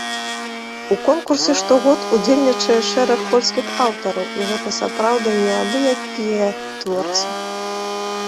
У конкурсе штогод удзельнічае шэраг польскіх аўтараў, і гэта сапраўды не абы-якія творцы.